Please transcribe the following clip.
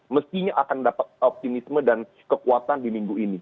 mestinya akan dapat optimisme dan kekuatan di minggu ini